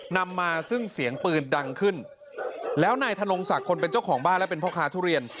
นำมาซึ่งเสียงปืนดังขึ้นแล้วนายธนงศักดิ์คนเป็นเจ้าของบ้านและเป็นพ่อค้าทุเรียน